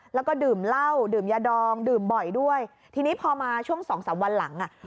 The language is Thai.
แล้วก็ดื่มเหล้าดื่มยาดองดื่มบ่อยด้วยทีนี้พอมาช่วงสองสามวันหลังอ่ะ